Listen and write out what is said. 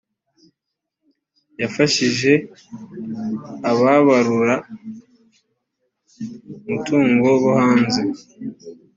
yifashisha ababarura mutungo bo hanze